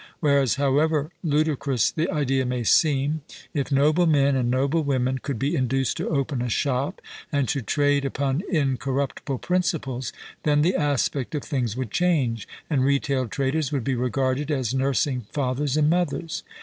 Whereas, however ludicrous the idea may seem, if noble men and noble women could be induced to open a shop, and to trade upon incorruptible principles, then the aspect of things would change, and retail traders would be regarded as nursing fathers and mothers.